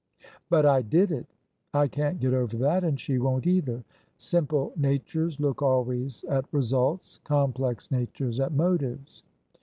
"But I did it. I can't get over that, and she won't either." Simple natures look always at results; complex natures at motives.